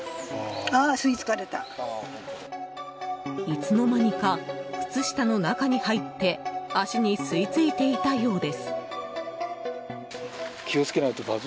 いつのまにか靴下の中に入って足に吸い付いていたようです。